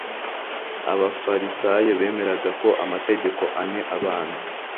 Abafarisayo bemeraga ko amategeko ane abanza,